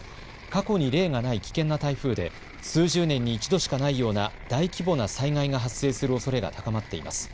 過去に例がない危険な台風で、数十年に一度しかないような大規模な災害が発生するおそれが高まっています。